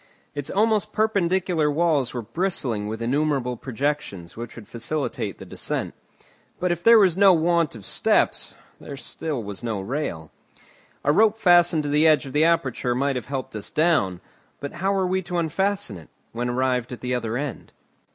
Its almost perpendicular walls were bristling with innumerable projections which would facilitate the descent. But if there was no want of steps, still there was no rail. A rope fastened to the edge of the aperture might have helped us down. But how were we to unfasten it, when arrived at the other end?